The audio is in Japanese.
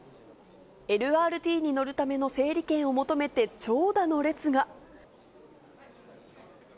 ＬＲＴに乗るための整理券を求めて長蛇の列が。